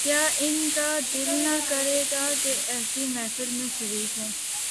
کیا ان کا دل نہ کرے گا کہ ایسی محفل میں شریک ہوں۔